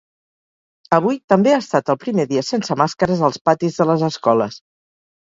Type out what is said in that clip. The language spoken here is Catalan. Avui també ha estat el primer dia sense màscares als patis de les escoles.